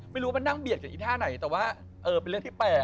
ไม่รู้ว่ามันนั่งเบียดกับอีท่าไหนแต่ว่าเป็นเรื่องที่แปลก